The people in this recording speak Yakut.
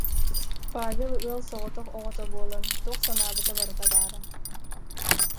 Павел ыал соҕотох оҕото буолан, туох санаабыта барыта баара